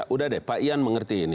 udah deh pak ian mengerti ini